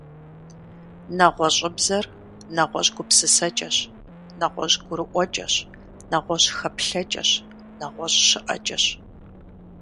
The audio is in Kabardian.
НэгъуэщӀыбзэр — нэгъуэщӀ гупсысэкӀэщ, нэгъуэщӀ гурыӀуэкӀэщ, нэгъуэщӀ хэплъэкӀэщ, нэгъуэщӀ щыӀэкӀэщ.